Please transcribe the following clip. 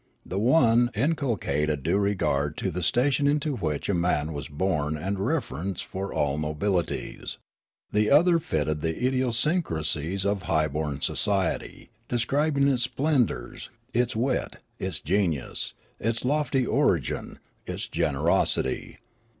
The one inculcated due regard to the station into which a man was born and reverence for all notabilities. The other fitted the idiosyncrasies of high born society, describing its splendours, its wit, its genius, its lofty origin, its generosity.